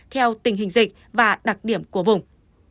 theo tình hình dịch và đặc điểm của vùng